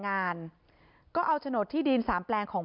จนแม่ต้องเอาที่ดินมรดก๓แปลง